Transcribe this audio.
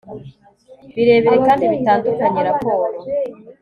birebire kandi bitandukanye raporo